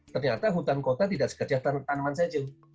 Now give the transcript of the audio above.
ternyata hutan kota tidak sekejap tanaman saja